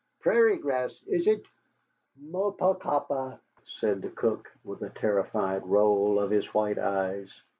Prairie grass, is it?" "Mo pas capab', Michié," said the cook, with a terrified roll of his white eyes.